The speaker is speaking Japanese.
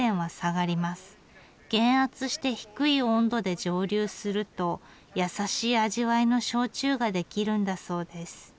減圧して低い温度で蒸留するとやさしい味わいの焼酎ができるんだそうです。